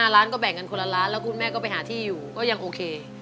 ล้านก็แบ่งกันคนละล้านแล้วคุณแม่ก็ไปหาที่อยู่ก็ยังโอเค